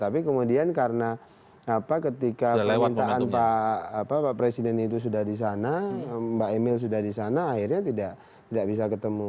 tapi kemudian karena ketika permintaan pak presiden itu sudah di sana mbak emil sudah di sana akhirnya tidak bisa ketemu